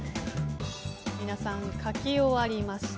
皆さん書き終わりました。